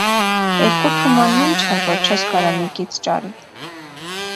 Էրկու թումանն ի՞նչ ա, որ չես կարա միկից ճարի: